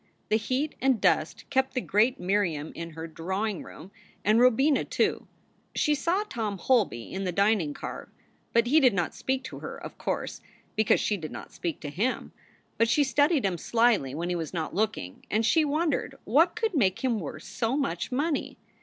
The heat and dust kept the great Miriam in her drawing room, and Robina, too. She saw Tom Holby in the dining car but he did not speak to her, of course, because she did not speak to him. But she studied him slyly when he was not looking, and she wondered what could make him worth so much money.